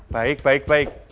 baik baik baik